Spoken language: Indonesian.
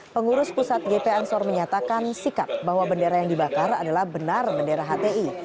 pengurus pusat gp ansor menyatakan sikap bahwa bendera yang dibakar adalah benar bendera hti